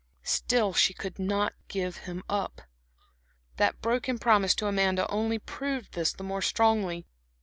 Still she could not give him up. That broken promise to Amanda only proved this the more strongly.